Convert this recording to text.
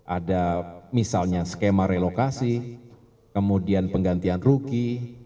ada misalnya skema relokasi kemudian penggantian ruki